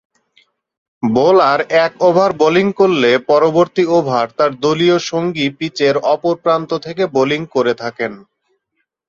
Bowler এক over bowling করলে পরবর্তী ওভার তার দলীয় সঙ্গী পিচের অপর প্রান্ত থেকে বোলিং করে থাকেন।